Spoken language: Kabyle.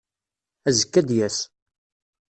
Azekka ad d-yas.